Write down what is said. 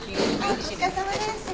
お疲れさまです。